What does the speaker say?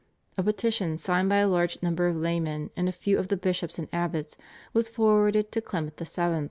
A petition signed by a large number of laymen and a few of the bishops and abbots was forwarded to Clement VII.